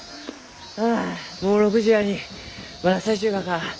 ああもう６時やにまだ咲いちゅうがか。